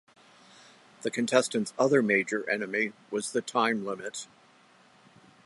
The contestants' other major enemy was the time limit.